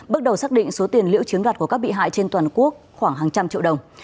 bước đầu xác định số tiền liễu chiếm đoạt của các bị hại trên toàn quốc khoảng hàng trăm triệu đồng